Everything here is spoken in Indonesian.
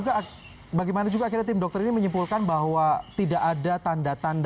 juga bagaimana juga akhirnya tim dokter ini menyimpulkan bahwa tidak ada tanda tanda